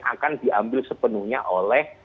akan diambil sepenuhnya oleh